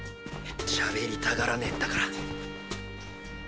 しゃべりたがらねんだから